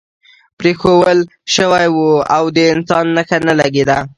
پرېښوول شوی و او د انسان نښه نه لګېده.